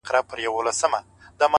د زړه صفا دروند ارزښت لري!